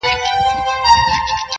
نیکه ویل چي دا پنځه زره کلونه کیږي!!